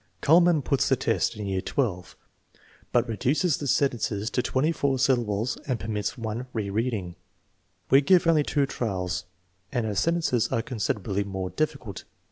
Kuhlmann puts the test in year XII, but reduces the sentences to twenty four syllables and per mits one re reading. We give only two trials and our sen tences are considerably more difficult.